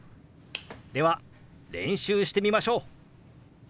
では練習してみましょう！